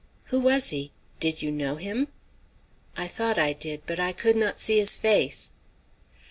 "Who was he? Did you know him?" "I thought I did. But I could not see his face."